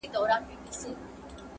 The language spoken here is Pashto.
گوندي وي چي ټول کارونه دي پر لار سي!!